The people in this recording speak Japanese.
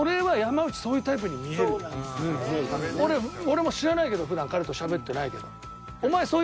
俺も知らないけどふだん彼と喋ってないけど。